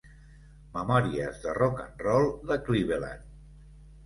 "Memòries de rock-and-roll de Cleveland ".